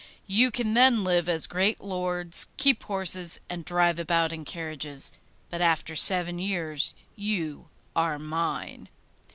You can then live as great lords, keep horses, and drive about in carriages. But after seven years you are mine.